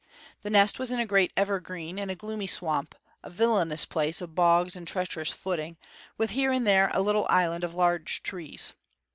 The nest was in a great evergreen, in a gloomy swamp, a villainous place of bogs and treacherous footing, with here and there a little island of large trees.